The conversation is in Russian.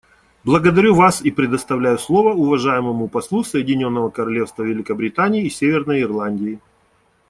Благодарю вас и предоставляю слово уважаемому послу Соединенного Королевства Великобритании и Северной Ирландии.